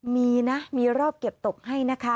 มีนะมีรอบเก็บตกให้นะคะ